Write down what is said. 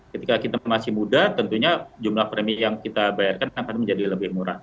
ketika kita masih muda tentunya jumlah premi yang kita bayarkan akan menjadi lebih murah